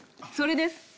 それです。